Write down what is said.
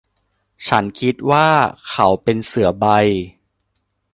ฉันคิดว่าเขาเป็นเสือใบ